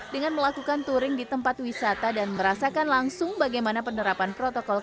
dengan melakukan touring di tempat wisata dan merasakan langsung bagaimana penerapan protokol